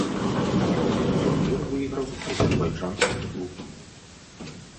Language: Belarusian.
Турнір выйграў азербайджанскі клуб.